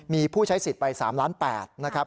มีผู้ใช้สิทธิ์ไป๓ล้าน๘นะครับ